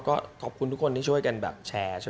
ก็ขอบคุณทุกคนที่ช่วยกันแบบแชร์ช่วย